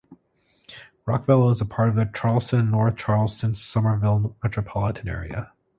Rockville is part of the Charleston-North Charleston-Summerville metropolitan area.